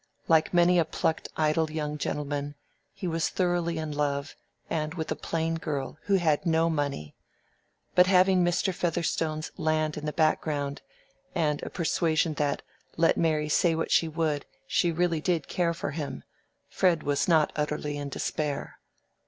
Like many a plucked idle young gentleman, he was thoroughly in love, and with a plain girl, who had no money! But having Mr. Featherstone's land in the background, and a persuasion that, let Mary say what she would, she really did care for him, Fred was not utterly in despair.